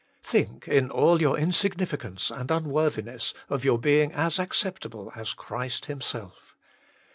Think, in all your insignificance and unworthiness, of your being as acceptable as Christ Himself.